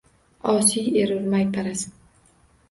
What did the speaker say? Osiy erur mayparast.